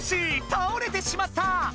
たおれてしまった！